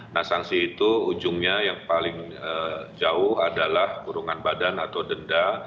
nah sanksi itu ujungnya yang paling jauh adalah kurungan badan atau denda